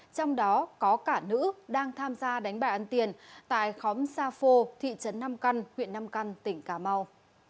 trong đó có cả nữ đang tham gia đánh bài ăn tiền tại khóm sa phô thị trấn nam căn huyện nam căn tỉnh cà mau